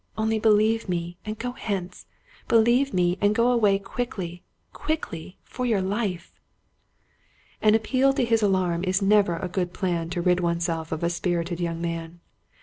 Only believe me, and go hence — believe me, and go away quickly, quickly, for your life! " An appeal to his alarm is never a good plan to rid one self of a spirited young man.